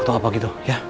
atau apa gitu ya